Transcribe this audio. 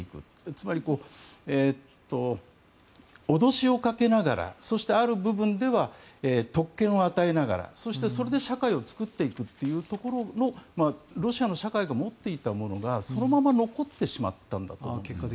つまり脅しをかけながらそしてある部分では特権を与えながらそしてそれで社会を作っていくというところのロシアの社会が持っていたものがそのまま残ってしまったんだと思います。